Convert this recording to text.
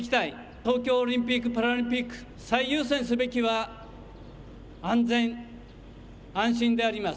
東京オリピック・パラリンピック、最優先すべきは安全安心であります。